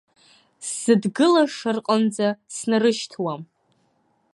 Сзыдгылаша рҟынӡагь снарышьҭуам.